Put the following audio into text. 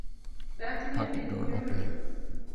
Dak ne aneni nyoro?